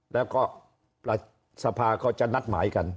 แล้วก็สภาก็จะนัดหมายกัน